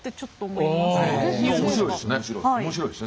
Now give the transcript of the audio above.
いや面白いですね。